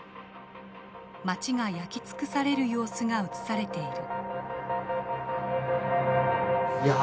町が焼き尽くされる様子が映されている。